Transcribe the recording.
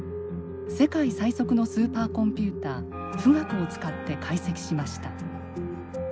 世界最速のスーパーコンピューター富岳を使って解析しました。